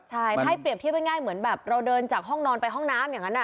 ใช่ถ้าให้เปรียบเทียบง่ายเหมือนแบบเราเดินจากห้องนอนไปห้องน้ำอย่างนั้น